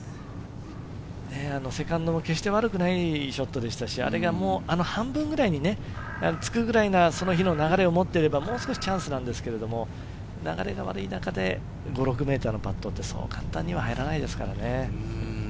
セカンドは悪くないショットでしたし、半分ぐらいにつくぐらいな、その日の流れを持っていれば、もう少しチャンスなんですけど、流れが悪い中で５６ｍのパットって、そう簡単には入らないですからね。